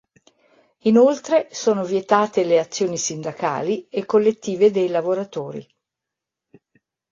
Inoltre, sono vietate le azioni sindacali e collettive dei lavoratori.